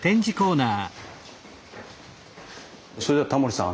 それじゃタモリさん